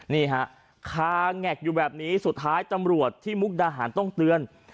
นี่ฮะคาแงกอยู่แบบนี้สุดท้ายตำรวจที่มุกดาหารต้องเตือน